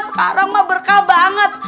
sekarang mah berkah banget